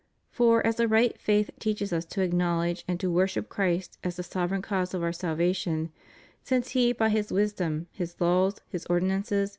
For as a right faith teaches us to acknowledge and to worship Christ as the sovereign cause of our salvation, since He by His wisdom. His laws, His ordinances.